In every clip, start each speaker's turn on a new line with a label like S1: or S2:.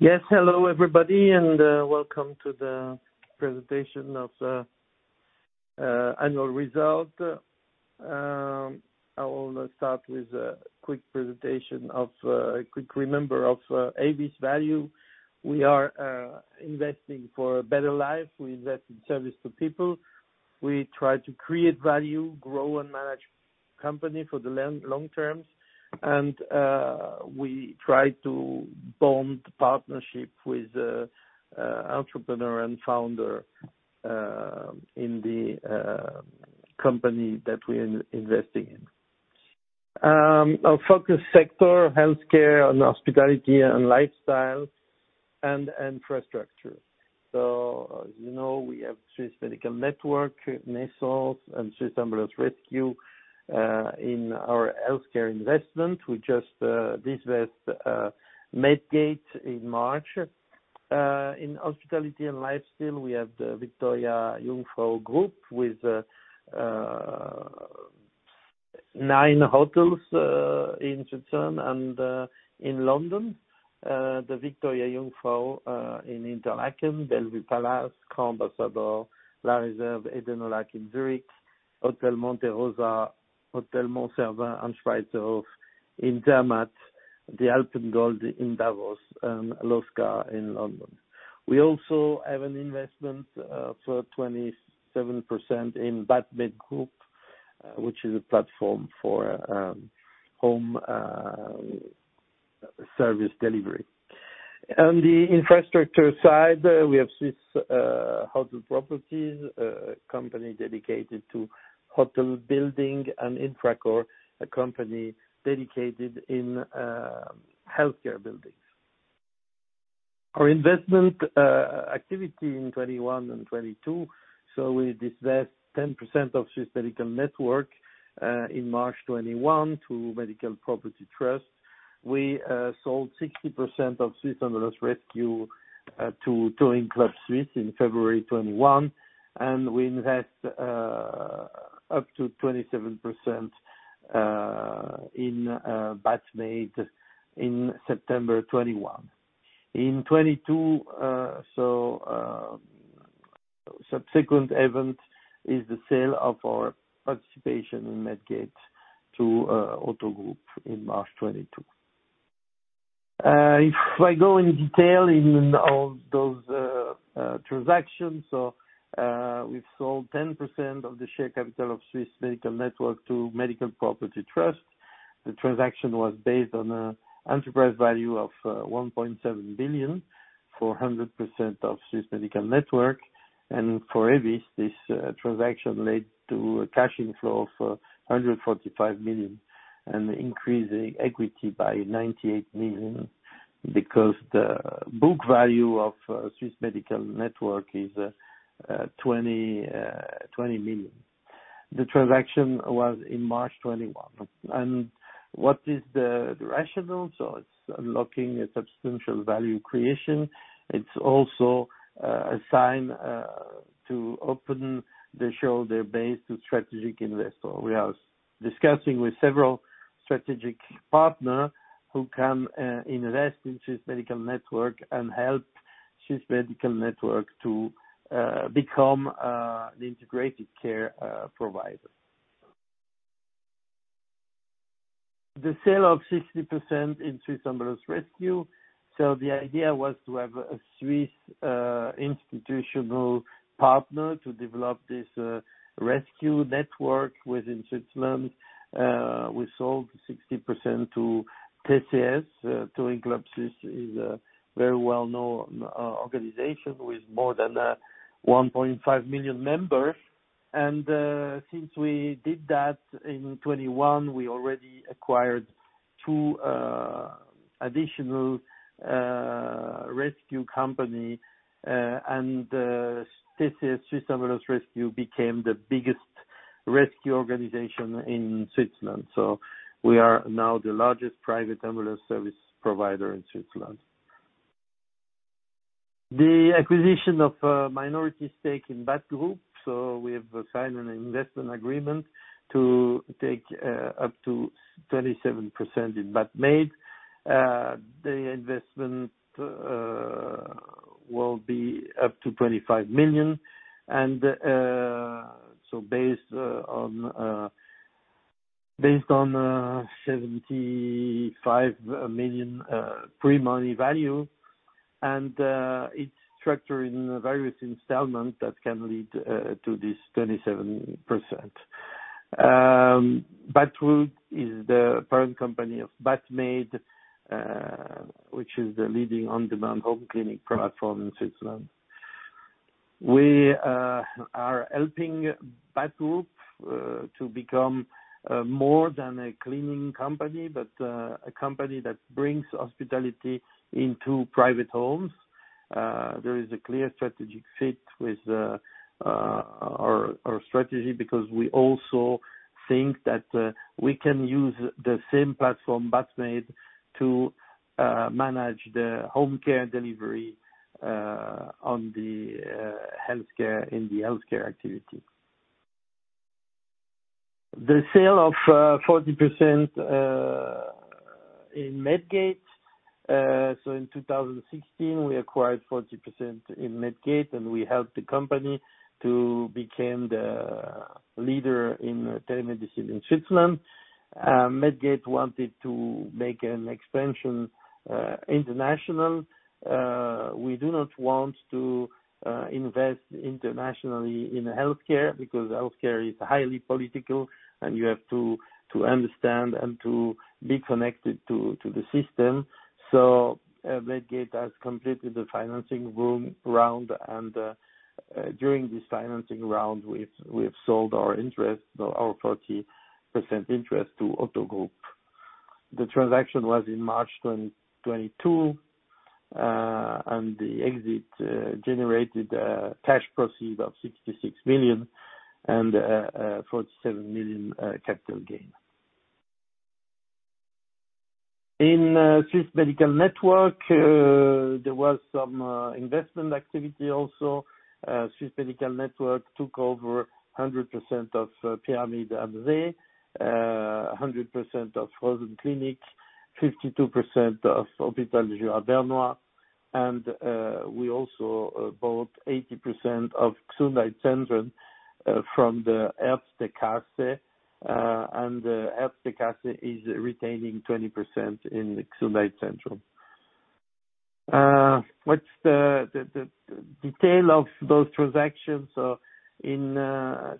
S1: Yes. Hello everybody, welcome to the presentation of annual result. I will start with a quick reminder of AEVIS Value. We are investing for a better life. We invest in service to people. We try to create value, grow, and manage company for the long term. We try to bond partnership with entrepreneur and founder in the company that we're investing in. Our focus sector, healthcare, hospitality, lifestyle, and infrastructure. As you know, we have Swiss Medical Network, Nescens, and Swiss Ambulance Rescue in our healthcare investment. We just divested Medgate in March. In hospitality and lifestyle, we have the Victoria-Jungfrau Group with 9 hotels in Switzerland and in London. The Victoria-Jungfrau in Interlaken, Bellevue Palace, Crans Ambassador, La Réserve Eden au Lac in Zurich, Hotel Monte Rosa, Hotel Mont Cervin and Schweizerhof in Zermatt, the AlpenGold Hotel in Davos, and L'oscar in London. We also have an investment for 27% in Batmaid Group, which is a platform for home service delivery. On the infrastructure side, we have Swiss Hotel Properties, a company dedicated to hotel building, and Infracore, a company dedicated to healthcare buildings. Our investment activity in 2021 and 2022. We divested 10% of Swiss Medical Network in March 2021 to Medical Properties Trust. We sold 60% of Swiss Ambulance Rescue to Touring Club Suisse in February 2021. We invest up to 27% in Batmaid in September 2021. In 2022, subsequent event is the sale of our participation in Medgate to Otto Group in March 2022. If I go in detail in all those transactions. We've sold 10% of the share capital of Swiss Medical Network to Medical Properties Trust. The transaction was based on an enterprise value of 1.7 billion for 100% of Swiss Medical Network. For AEVIS, this transaction led to a cash inflow of 145 million and increasing equity by 98 million because the book value of Swiss Medical Network is 20 million. The transaction was in March 2021. What is the rationale? It's unlocking a substantial value creation. It's also a sign to open the shareholder base to strategic investor. We are discussing with several strategic partner who can invest in Swiss Medical Network and help Swiss Medical Network to become the integrated care provider. The sale of 60% in Swiss Ambulance Rescue. The idea was to have a Swiss institutional partner to develop this rescue network within Switzerland. We sold 60% to TCS. Touring Club Suisse is a very well-known organization with more than 1.5 million members. Since we did that in 2021, we already acquired 2 additional rescue companies, TCS Swiss Ambulance Rescue became the biggest rescue organization in Switzerland. We are now the largest private ambulance service provider in Switzerland. The acquisition of a minority stake in Batgroup. We have signed an investment agreement to take up to 27% in Batmaid. The investment will be up to 25 million, based on 75 million pre-money value, and it's structured in various installments that can lead to this 27%. Batgroup is the parent company of Batmaid, which is the leading on-demand home cleaning platform in Switzerland. We are helping Batgroup to become more than a cleaning company, but a company that brings hospitality into private homes. There is a clear strategic fit with our strategy because we also think that we can use the same platform, Batmaid, to manage the home care delivery in the healthcare activity. The sale of 40% in Medgate. In 2016, we acquired 40% in Medgate, and we helped the company to become the leader in telemedicine in Switzerland. Medgate wanted to make an expansion international. We do not want to invest internationally in healthcare because healthcare is highly political, and you have to understand and to be connected to the system. Medgate has completed the financing round, and during this financing round, we've sold our 40% interest to Otto Group. The transaction was in March 2022, and the exit generated a cash proceed of 66 million and a 47 million capital gain. In Swiss Medical Network, there was some investment activity also. Swiss Medical Network took over 100% of Klinik Pyramide am See, 100% of Rosenklinik, 52% of Hôpital du Jura Bernois, and we also bought 80% of Xundheitszentrum from the Erste Klasse, and Erste Klasse is retaining 20% in Xundheitszentrum. What's the detail of those transactions? In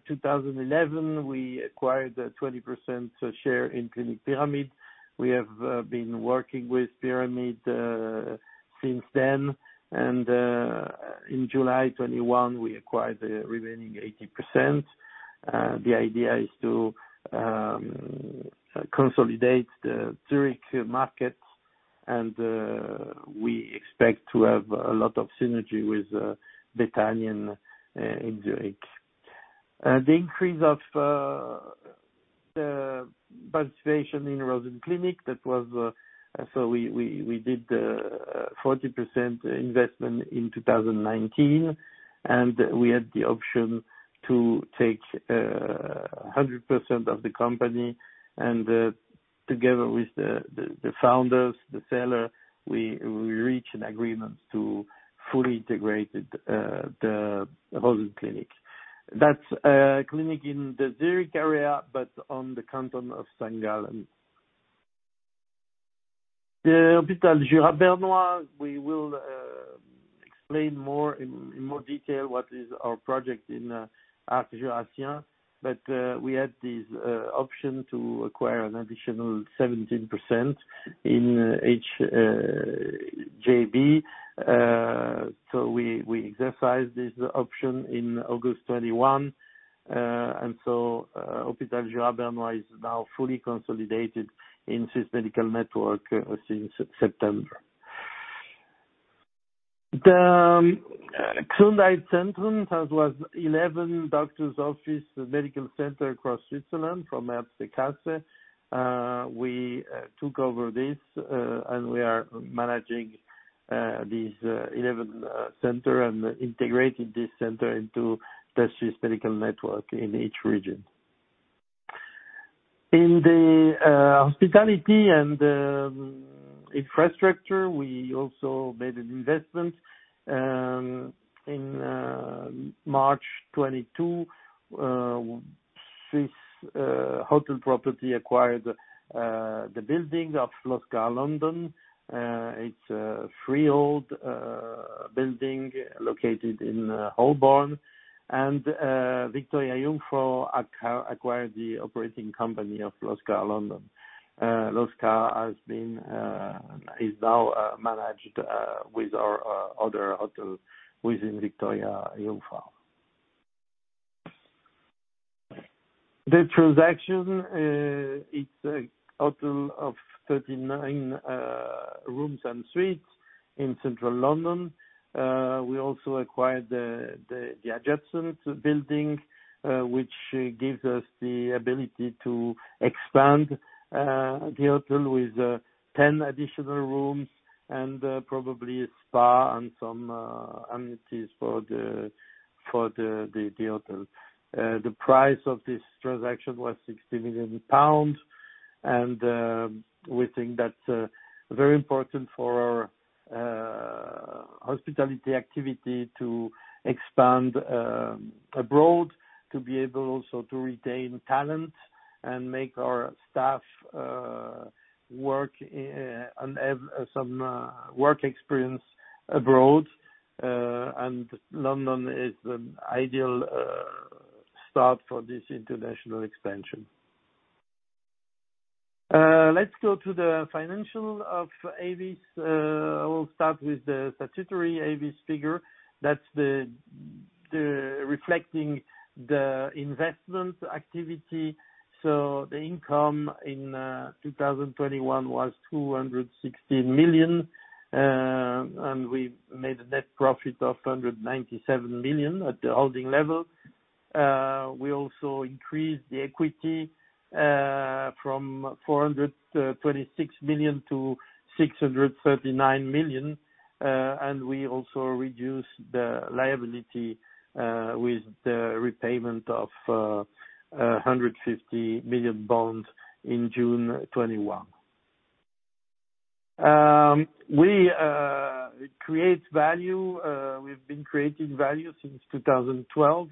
S1: 2011, we acquired a 20% share in Klinik Pyramide. We have been working with Pyramide since then, and in July 2021, we acquired the remaining 80%. The idea is to consolidate the Zurich market, and we expect to have a lot of synergy with Bethanien in Zurich. The increase of the participation in Rosenklinik. We did the 40% investment in 2019, and we had the option to take 100% of the company, and together with the founders, the seller, we reached an agreement to fully integrate the Rosenklinik. That's a clinic in the Zurich area, but on the canton of St. Gallen. Hôpital du Jura Bernois, we will explain in more detail what is our project in Arc Jurassien. We had this option to acquire an additional 17% in HJB. We exercised this option in August 2021. Hôpital du Jura Bernois is now fully consolidated in Swiss Medical Network since September. The Xundheitszentrum, that was 11 doctor's office medical centers across Switzerland from Erste Klasse. We took over this, and we are managing these 11 centers and integrating this center into the Swiss Medical Network in each region. In the hospitality and infrastructure, we also made an investment. In March 2022, Swiss Hotel Properties acquired the building of L'oscar London. It's a freehold building located in Holborn, and Victoria-Jungfrau acquired the operating company of L'oscar London. L'oscar is now managed with our other hotel within Victoria-Jungfrau. The transaction, it's a hotel of 39 rooms and suites in central London. We also acquired the adjacent building, which gives us the ability to expand the hotel with 10 additional rooms and probably a spa and some amenities for the hotel. The price of this transaction was 60 million pounds, and we think that's very important for our hospitality activity to expand abroad, to be able also to retain talent, and make our staff have some work experience abroad, and London is the ideal start for this international expansion. Let's go to the financial of AEVIS. I will start with the statutory AEVIS figure. That's reflecting the investment activity. The income in 2021 was 216 million, and we made a net profit of 197 million at the holding level. We also increased the equity from 426 million to 639 million, and we also reduced the liability with the repayment of 150 million bonds in June 2021. We create value. We have been creating value since 2012.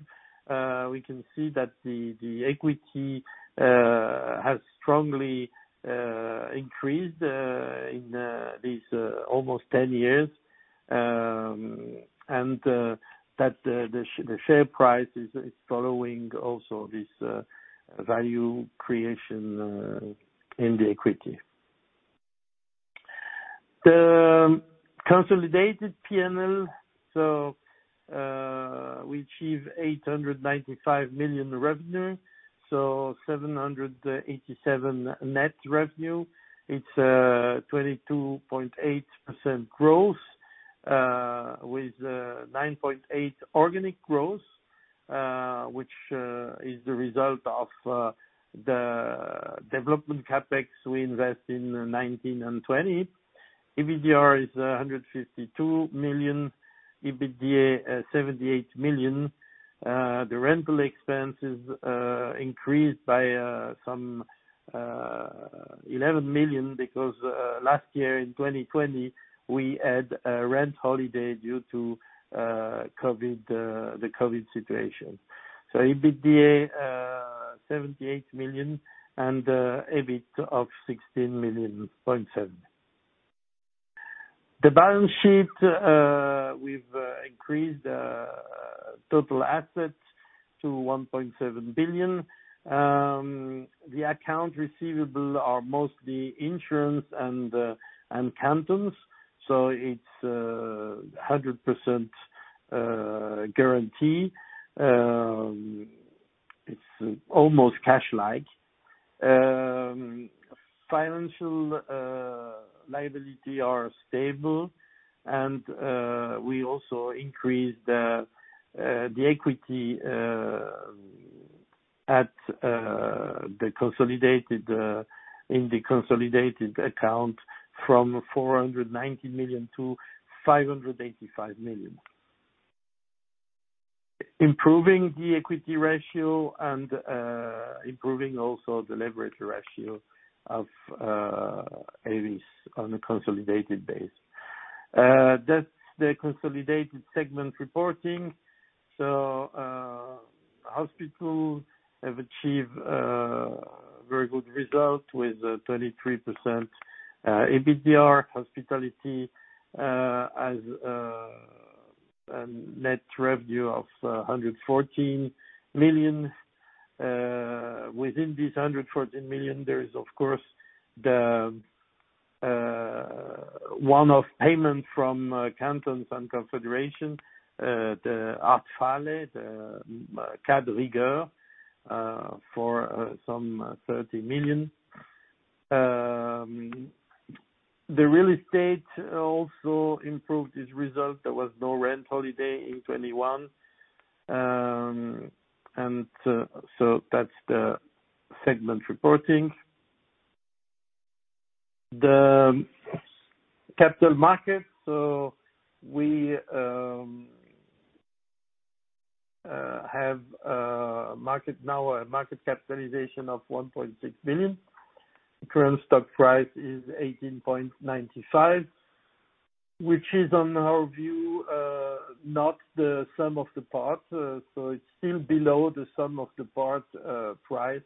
S1: We can see that the equity has strongly increased in these almost ten years, and that the share price is following also this value creation in the equity. The consolidated P&L, we achieve 895 million revenue, 787 million net revenue. It is a 22.8% growth, with 9.8% organic growth, which is the result of the development CapEx we invest in 2019 and 2020. EBITDA is 152 million. EBITDA, 78 million. The rental expense is increased by some 11 million because last year in 2020, we had a rent holiday due to the COVID situation. EBITDA, 78 million and EBIT of 16.7 million. The balance sheet, we have increased total assets to 1.7 billion. The accounts receivable are mostly insurance and cantons, so it is 100% guarantee. It is almost cash-like. Financial liabilities are stable, and we also increased the equity in the consolidated account from 490 million to 585 million. Improving the equity ratio and improving also the leverage ratio of AEVIS on a consolidated basis. That is the consolidated segment reporting. Hospitals have achieved very good results with 23% EBITDA. Hospitality has a net revenue of 114 million. Within this 114 million, there is, of course, the one-off payment from cantons and confederation, the Härtefallhilfe, the Kurzarbeit, for some CHF 30 million. The real estate also improved its result. There was no rent holiday in 2021. That is the segment reporting. The capital market. We have now a market capitalization of 1.6 billion. Current stock price is 18.95, which is, in our view, not the sum of the parts, so it is still below the sum of the parts price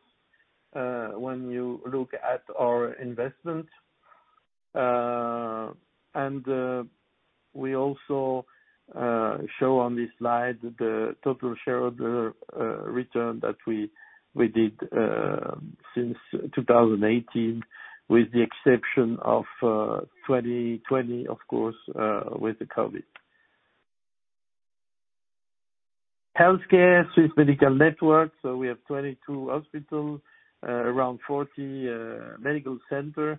S1: when you look at our investment. We also show on this slide the total shareholder return that we did since 2018, with the exception of 2020, of course, with the COVID. Healthcare Swiss Medical Network. We have 22 hospitals, around 40 medical centers,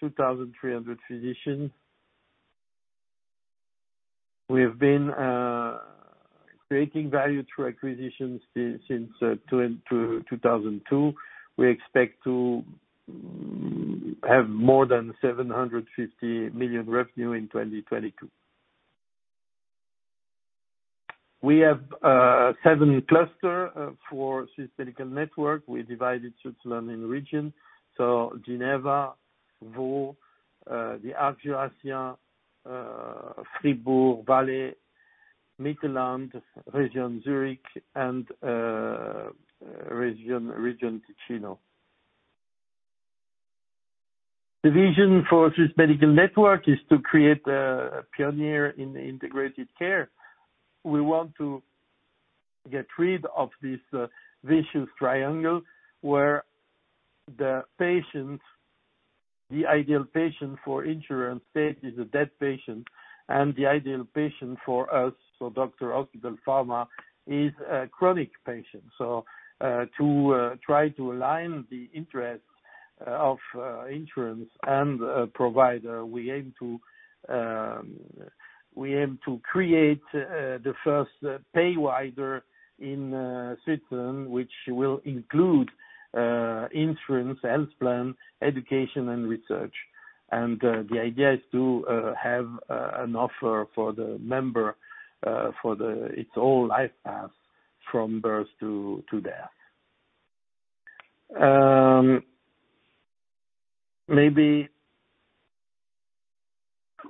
S1: 2,300 physicians. We have been creating value through acquisitions since 2002. We expect to have more than 750 million revenue in 2022. We have seven clusters for Swiss Medical Network. We divided Switzerland in regions. Geneva, Vaud, the Aargau/Alsace, Fribourg, Valais, Mittelland, region Zurich, and region Ticino. The vision for Swiss Medical Network is to create a pioneer in integrated care. We want to get rid of this vicious triangle where the ideal patient for insurance state is a dead patient, and the ideal patient for us, so doctor, hospital, pharma, is a chronic patient. To try to align the interests of insurance and provider, we aim to create the first payvider in Switzerland, which will include insurance, health plan, education, and research. The idea is to have an offer for the member for its whole life path from birth to death. Maybe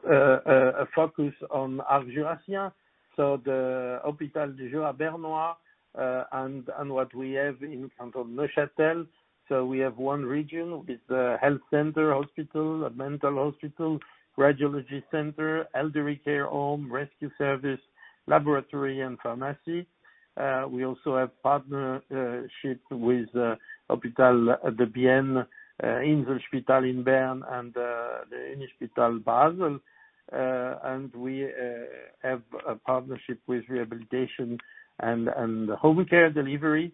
S1: a focus on Arc Jurassien. The Hôpital du Jura Bernois, and what we have in Canton Neuchâtel. We have one region with a health center hospital, a mental hospital, radiology center, elderly care home, rescue service, laboratory, and pharmacy. We also have partnership with Centre hospitalier Bienne, Inselspital in Bern, and the Inselspital Basel. We have a partnership with rehabilitation and home care delivery.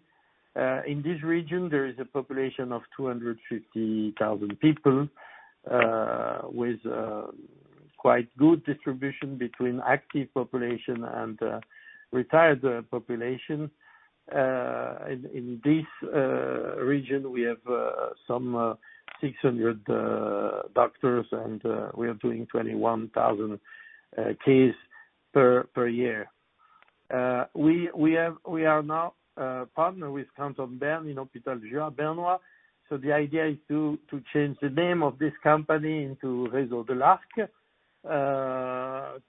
S1: In this region, there is a population of 250,000 people, with quite good distribution between active population and retired population. In this region, we have 600 doctors, and we are doing 21,000 cases per year. We are now a partner with Canton of Bern in Hôpital du Jura Bernois. The idea is to change the name of this company into Réseau de l'Arc,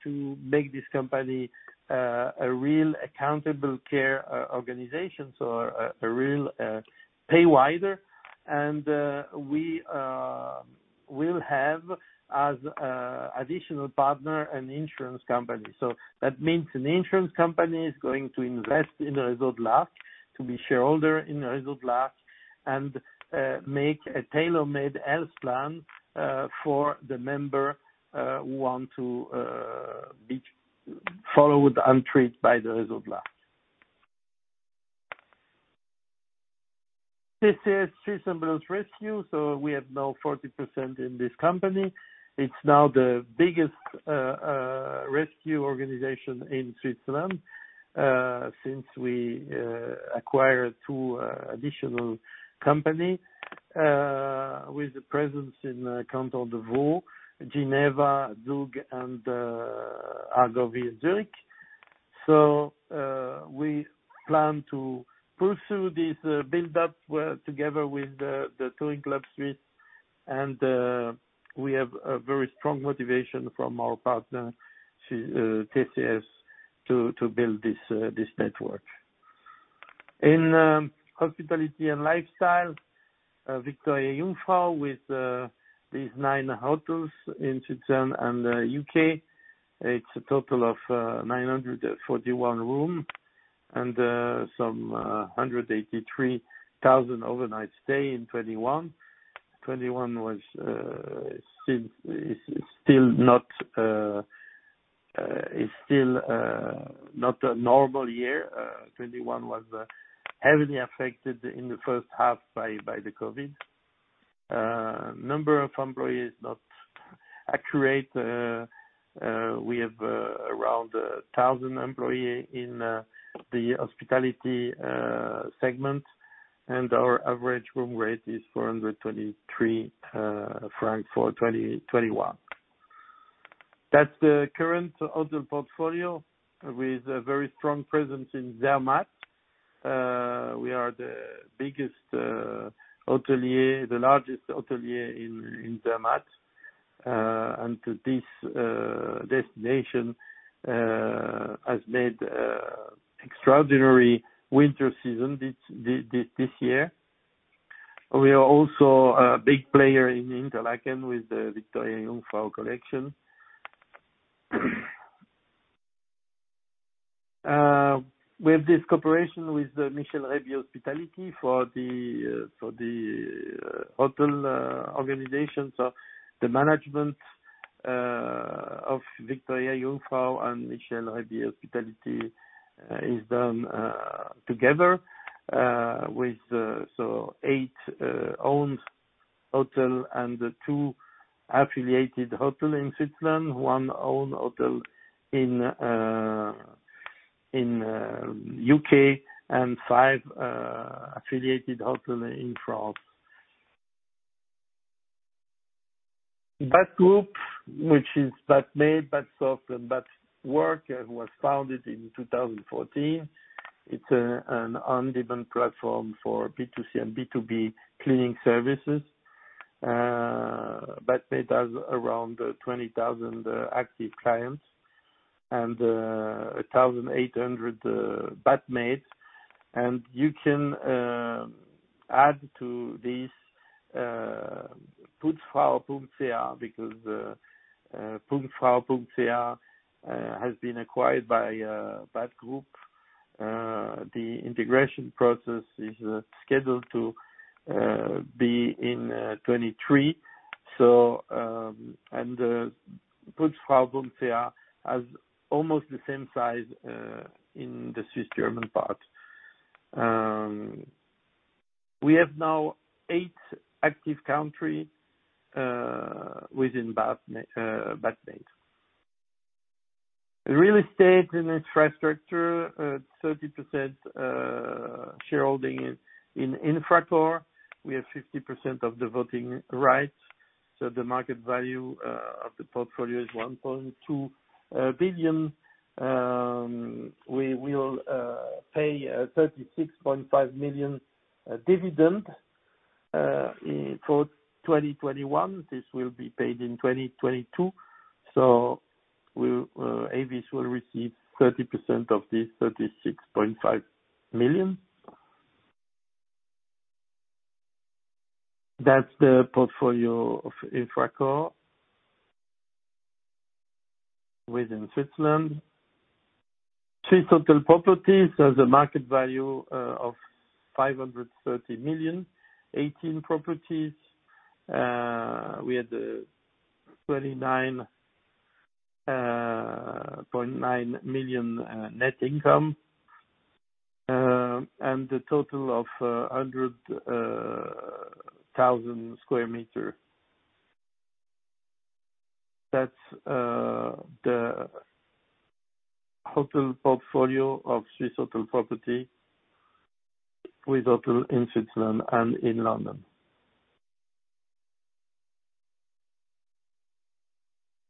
S1: to make this company a real accountable care organization, a real payvider. We will have as additional partner an insurance company. That means an insurance company is going to invest in the Réseau de l'Arc to be shareholder in the Réseau de l'Arc and make a tailor-made health plan for the member who want to be followed and treated by the Réseau de l'Arc. TCS Swiss Ambulance Rescue, we have now 40% in this company. It is now the biggest rescue organization in Switzerland since we acquired 2 additional company, with a presence in Canton of Vaud, Geneva, Zug, and Aargau via Zurich. We plan to pursue this buildup together with the Touring Club Suisse. We have a very strong motivation from our partner, TCS, to build this network. In hospitality and lifestyle, Victoria-Jungfrau with these 9 hotels in Switzerland and the U.K. It is a total of 941 room and 183,000 overnight stay in 2021. 2021 is still not a normal year. 2021 was heavily affected in the first half by the COVID. Number of employees not accurate. We have around 1,000 employee in the hospitality segment, and our average room rate is 423 francs for 2021. That is the current hotel portfolio with a very strong presence in Zermatt. We are the largest hotelier in Zermatt. This destination has made extraordinary winter season this year. We are also a big player in Interlaken with the Victoria-Jungfrau Collection. We have this cooperation with the Michel Reybier Hospitality for the hotel organization. The management of Victoria-Jungfrau and Michel Reybier Hospitality is done together, with 8 owned hotel and 2 affiliated hotel in Switzerland, 1 owned hotel in U.K. and 5 affiliated hotel in France. Batgroup, which is Batmaid, Batsoft, and Batwork, was founded in 2014. It is an on-demand platform for B2C and B2B cleaning services. Batmaid has around 20,000 active clients and 1,800 Batmaid. You can add to this Putzfrau.ch, because Putzfrau.ch has been acquired by Batgroup. The integration process is scheduled to be in 2023. Putzfrau.ch has almost the same size in the Swiss German part. We have now 8 active country within Batmaid. Real estate and infrastructure at 30% shareholding in Infracore. We have 50% of the voting rights. The market value of the portfolio is 1.2 billion. We will pay 36.5 million dividend for 2021. This will be paid in 2022. AEVIS will receive 30% of this CHF 36.5 million. That is the portfolio of Infracore. Within Switzerland, 3 hotel properties has a market value of 530 million. 18 properties. We had a 29.9 million net income, and a total of 100,000 sq m. That is the hotel portfolio of Swiss Hotel Properties with hotel in Switzerland and in London.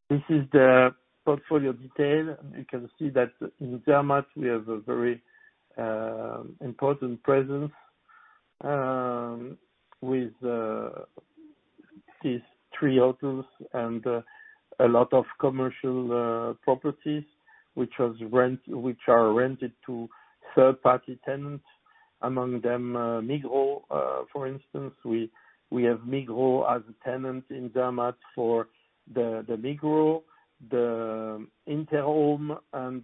S1: This is the portfolio detail. You can see that in Zermatt, we have a very important presence with these 3 hotels and a lot of commercial properties which are rented to third-party tenants, among them Migros. For instance, we have Migros as a tenant in Zermatt for the Migros, the Interhome, and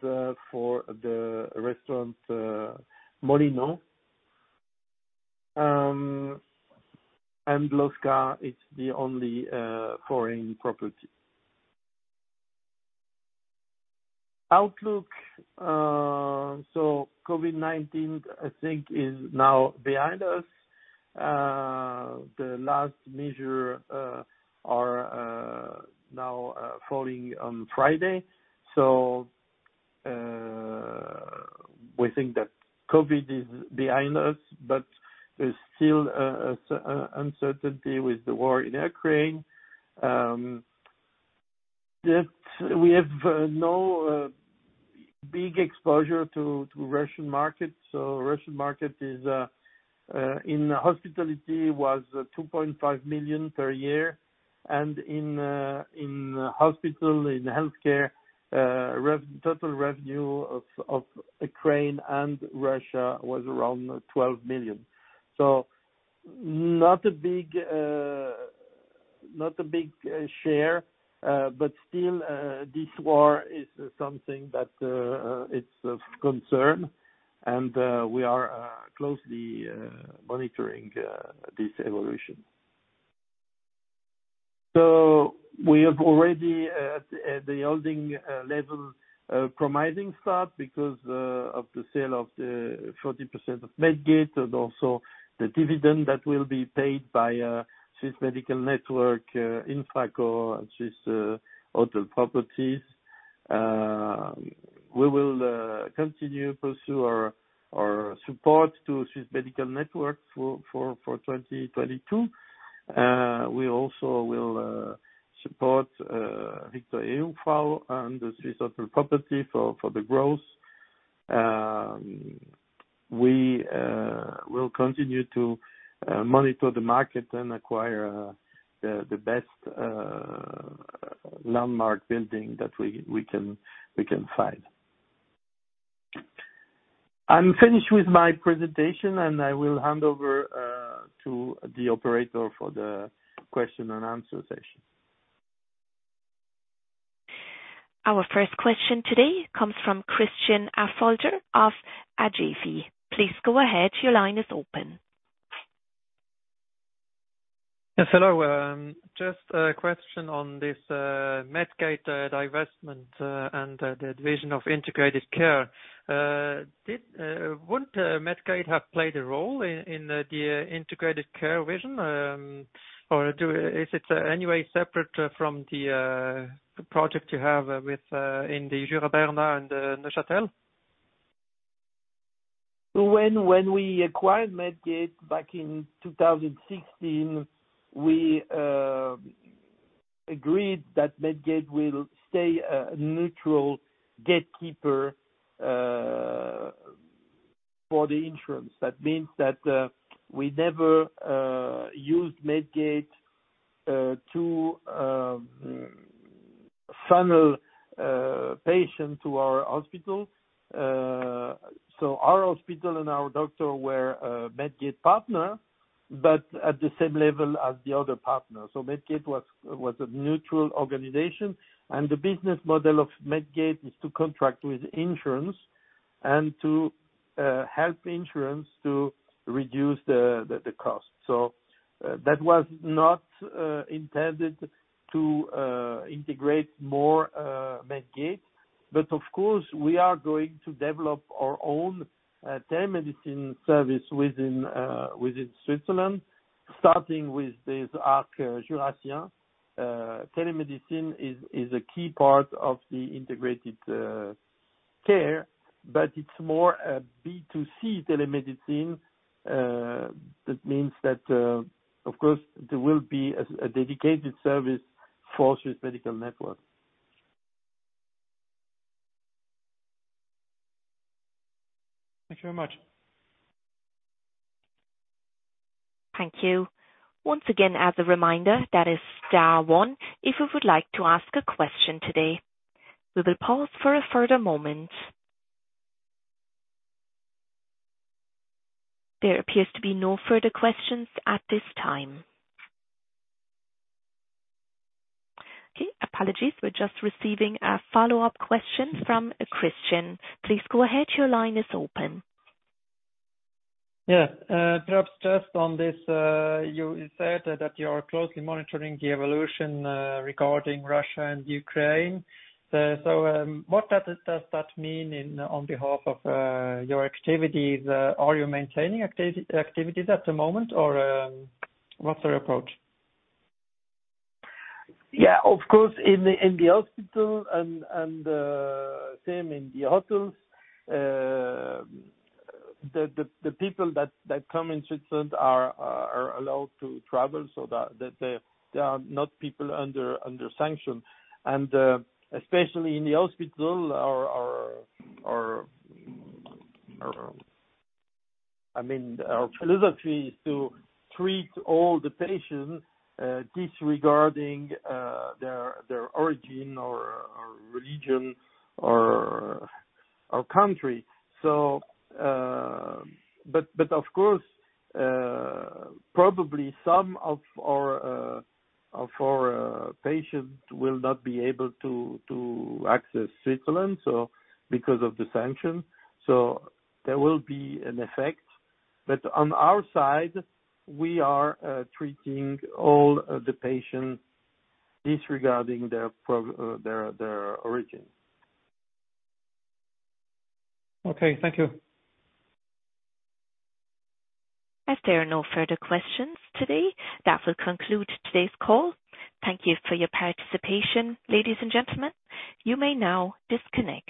S1: for the restaurant Molino. L'oscar is the only foreign property. Outlook. COVID-19, I think, is now behind us. The last measure are now falling on Friday. We think that COVID is behind us, but there's still uncertainty with the war in Ukraine. We have no big exposure to Russian markets. Russian market in hospitality was 2.5 million per year, and in hospital, in healthcare, total revenue of Ukraine and Russia was around 12 million. Not a big share, but still, this war is something that is of concern and we are closely monitoring this evolution. We have already at the holding level, a promising start because of the sale of the 40% of Medgate and also the dividend that will be paid by Swiss Medical Network, Infracore, and Swiss Hotel Properties. We will continue to pursue our support to Swiss Medical Network for 2022. We also will support Victoria-Jungfrau and the Swiss Hotel Properties for the growth. We will continue to monitor the market and acquire the best landmark building that we can find. I'm finished with my presentation, and I will hand over to the operator for the question and answer session.
S2: Our first question today comes from Christian Affolter of BCV. Please go ahead. Your line is open.
S3: Yes, hello. Just a question on this Medgate divestment and the division of integrated care. Would Medgate have played a role in the integrated care vision? Or is it anyway separate from the project you have in the Jura Bernois and Neuchâtel?
S1: When we acquired Medgate back in 2016, we agreed that Medgate will stay a neutral gatekeeper for the insurance. That means that we never used Medgate to funnel patients to our hospital. Our hospital and our doctor were Medgate partner, but at the same level as the other partners. Medgate was a neutral organization, and the business model of Medgate is to contract with insurance and to help insurance to reduce the cost. That was not intended to integrate more Medgate. Of course, we are going to develop our own telemedicine service within Switzerland. Starting with this Arc Jurassien, telemedicine is a key part of the integrated care, it's more a B2C telemedicine. That means that, of course, there will be a dedicated service for Swiss Medical Network.
S3: Thank you very much.
S2: Thank you. Once again, as a reminder, that is star 1 if you would like to ask a question today. We will pause for a further moment. There appears to be no further questions at this time. Okay, apologies. We're just receiving a follow-up question from Christian. Please go ahead. Your line is open.
S3: Perhaps just on this, you said that you are closely monitoring the evolution regarding Russia and Ukraine. What does that mean on behalf of your activities? Are you maintaining activities at the moment or what's your approach?
S1: Yeah, of course, in the hospital and same in the hotels, the people that come in Switzerland are allowed to travel so they are not people under sanction. Especially in the hospital, our philosophy is to treat all the patients disregarding their origin or religion or country. Of course, probably some of our patients will not be able to access Switzerland because of the sanction. There will be an effect. On our side, we are treating all the patients disregarding their origin.
S3: Okay. Thank you.
S2: If there are no further questions today, that will conclude today's call. Thank you for your participation, ladies and gentlemen. You may now disconnect.